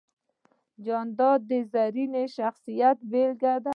جانداد د زرین شخصیت بېلګه ده.